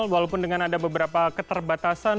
walaupun dengan ada beberapa keterbatasan